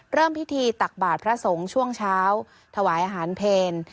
เริ่มพิธีตักบาทพระสงฆ์ช่วงเช้าถวายอาหารเพล